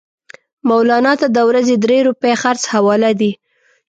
مولنا ته د ورځې درې روپۍ خرڅ حواله دي.